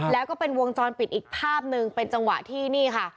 แล้วก็เป็นวงจรปิดอีกภาพหนึ่งเป็นจังหวะที่นี่ค่ะ